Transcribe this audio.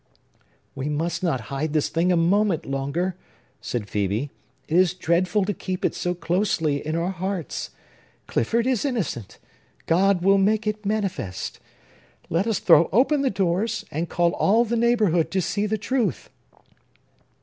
"We must not hide this thing a moment longer!" said Phœbe. "It is dreadful to keep it so closely in our hearts. Clifford is innocent. God will make it manifest! Let us throw open the doors, and call all the neighborhood to see the truth!"